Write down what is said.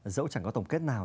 dẫu chẳng có tổng kết nào